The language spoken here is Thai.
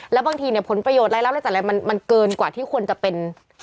แล้วบางทีเนี่ยผลประโยชนรายรับรายจ่ายอะไรมันเกินกว่าที่ควรจะเป็น